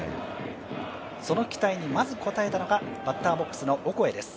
その期待にまず応えたのが、バッターボックスのオコエです。